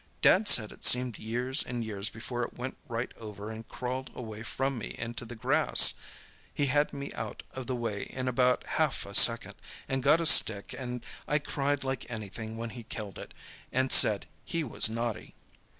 Dad said it seemed years and years before it went right over and crawled away from me into the grass. He had me out of the way in about half a second, and got a stick, and I cried like anything when he killed it, and said he was naughty!"